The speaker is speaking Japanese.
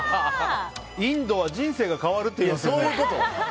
インドは人生が変わるって言いますよね。